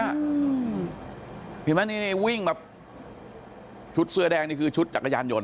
เห็นไหมนี่นี่วิ่งแบบชุดเสื้อแดงนี่คือชุดจักรยานยนต